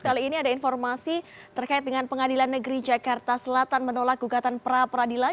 kali ini ada informasi terkait dengan pengadilan negeri jakarta selatan menolak gugatan pra peradilan